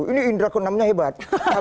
ini indra kun namanya hebat